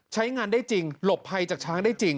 ใช้งานได้จริงหลบภัยจากช้างได้จริง